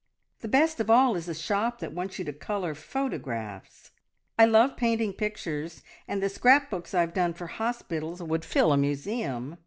The best of all is a shop that wants you to colour photographs. I love painting pictures, and the scrap books I've done for hospitals would fill a museum.